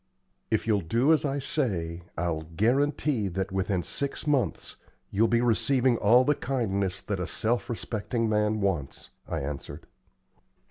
"If you'll do as I say, I'll guarantee that within six months you'll be receiving all the kindness that a self respecting man wants," I answered.